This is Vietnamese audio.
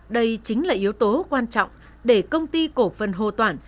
đây chính là yếu tố quan trọng để công ty cổ phần hồ toản